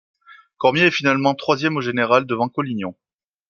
Cormier est finalement troisième au général, devant Collignon.